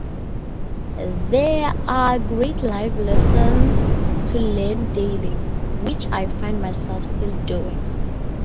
There are great life lessons to learn daily, which I find myself still doing.